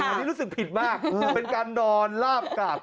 อันนี้รู้สึกผิดมากเป็นการนอนลาบกราบ